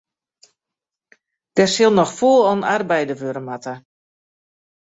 Dêr sil noch fûl oan arbeide wurde moatte.